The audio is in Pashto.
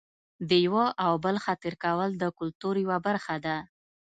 د یوه او بل خاطر کول د کلتور یوه برخه ده.